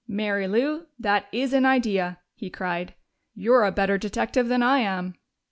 "Mary Lou, that is an idea!" he cried. "You're a better detective than I am."